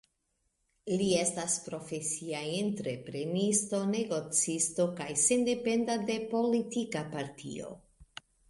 Li estas profesia entreprenisto, negocisto kaj sendependa de politika partio.